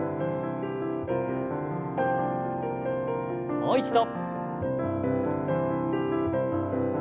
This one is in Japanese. もう一度。